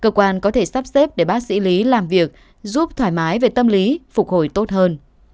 cơ quan có thể sắp xếp để bác sĩ lý làm việc giúp thoải mái về tâm lý phục hồi tốt hơn